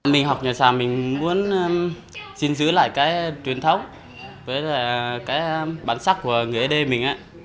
mình học nhà sản mình muốn giữ lại cái truyền thống với cái bản sắc của người ấy đê mình á